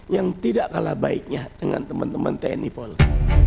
yang tidak kalah baiknya dengan teman teman tni polri